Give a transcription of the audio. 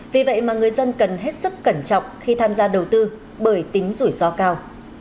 vì vậy mà người dân cần hết sức cẩn trọng khi tham gia đầu tư bởi tính rủi ro cao